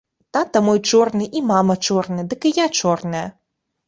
Тата мой чорны і мама чорная, дык і я чорная!